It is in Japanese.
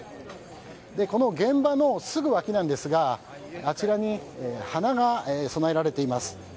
現場のすぐ脇なんですがあちらに花が供えられています。